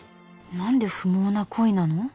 何で不毛な恋なの？